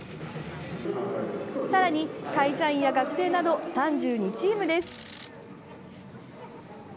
さらに会社員や学生など３２チームです。